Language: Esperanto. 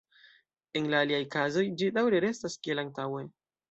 En la aliaj kazoj ĝi daŭre restas kiel antaŭe.